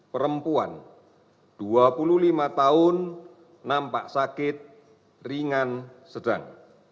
enam puluh tujuh perempuan dua puluh lima tahun nampak sakit ringan sedang